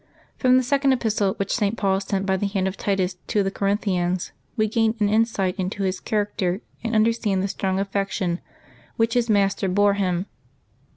From the Second Epistle which St. Paul sent by the hand of Titus to the Corinthians we gain an insight into his character and un derstand the strong affection which his master bore him.